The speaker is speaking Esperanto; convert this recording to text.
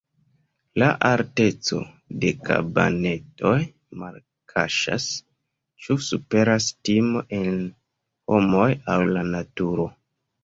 La alteco de kabanetoj malkaŝas, ĉu superas timo el homoj aŭ la naturo.